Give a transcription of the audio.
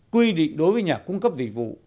quy định đối với nhà cung cấp dịch vụ